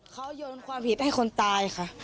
เขาโยนความผิดให้คนตายค่ะ